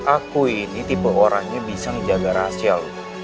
aku ini tipe orangnya bisa menjaga rasial